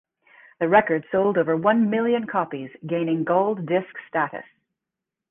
The record sold over one million copies, gaining gold disc status.